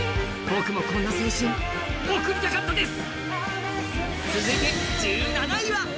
僕もこんな青春送ってみたかったです。